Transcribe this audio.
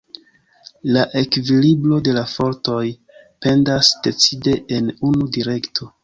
La ekvilibro de la fortoj pendas decide en unu direkto.